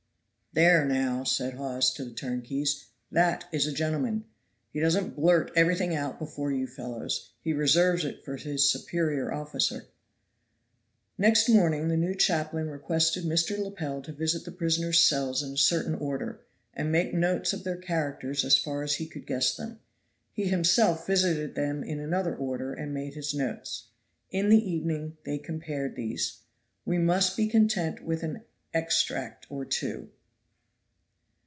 "There, now," said Hawes to the turnkeys, "that is a gentleman. He doesn't blurt everything out before you fellows; he reserves it for his superior officer." Next morning the new chaplain requested Mr. Lepel to visit the prisoner's cells in a certain order, and make notes of their characters as far as he could guess them. He himself visited them in another order and made his notes. In the evening they compared these. We must be content with an extract or two.